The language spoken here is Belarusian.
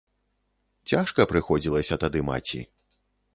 Цяжка прыходзілася тады маці.